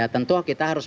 tentu kita harus